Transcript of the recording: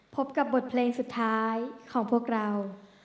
พบกับบทเพลงสุดท้ายของพวกเรา